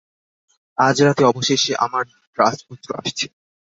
আজ রাতে অবশেষে আমার রাজপুত্র আসছে।